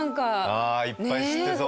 ああいっぱい知ってそう。